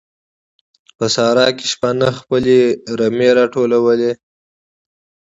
په صحراء کې شپانه خپل رمې راټولوي.